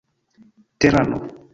terano